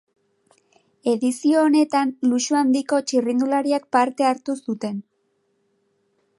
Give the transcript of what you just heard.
Edizio honetan luxu handiko txirrindulariek parte hartu zuten.